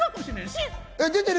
出てる？